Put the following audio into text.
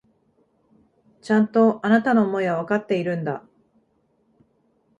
ちゃんと、あなたの思いはわかっているんだ。